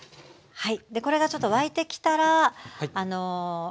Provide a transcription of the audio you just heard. はい。